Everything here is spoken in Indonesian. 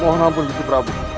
mohon ampun gusti prabu